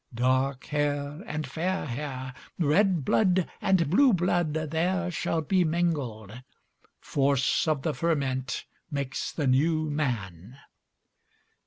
Dark hair and fair hair, Red blood and blue blood, There shall be mingled; Force of the fermentMakes the New Man.